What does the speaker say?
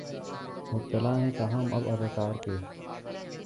مبتلا ہیں تاہم اب اداکار کے